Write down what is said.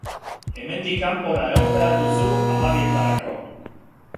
Hemendik kanpora egon behar duzu hamabietarako.